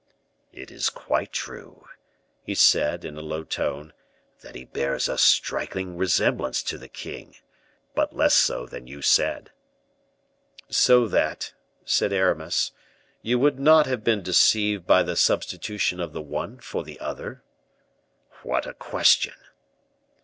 "It is quite true," he said, in a low tone, "that he bears a striking resemblance to the king; but less so than you said." "So that," said Aramis, "you would not have been deceived by the substitution of the one for the other?" "What a question!"